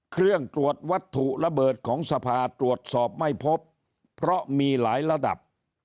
เครื่องตรวจวัตถุระเบิดของสภาตรวจสอบไม่พบเพราะมีหลายระดับ